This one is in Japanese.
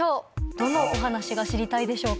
どのお話が知りたいでしょうか？